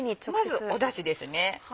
まずだしですね。